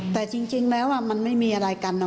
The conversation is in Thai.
แต่จริงแล้วมันไม่มีอะไรกันนะ